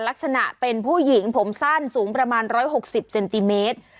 ลักษณะเป็นผู้หญิงผมสั้นสูงประมาณ๑๖๐เซนติเมตร